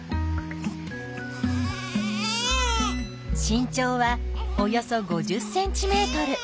身長はおよそ５０ｃｍ。